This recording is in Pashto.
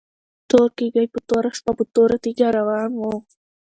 تور کيږی په توره شپه په توره تيږه روان وو